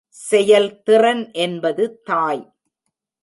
செயல்திறன் என்பது தாய்.